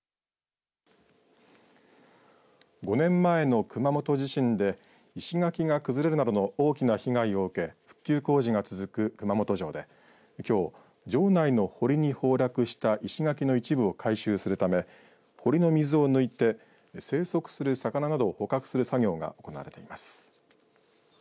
５年前の熊本地震で石垣が崩れるなどの大きな被害を受け復旧工事が続く熊本城で、きょう城内のお堀に崩落した石垣の一部を回収するため堀の水を抜いて生息する魚などを捕獲する作業が行われています。